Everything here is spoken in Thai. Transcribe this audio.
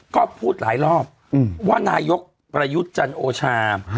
ก็พูดหลายรอบว่านายกประยุทธ์จันโอชา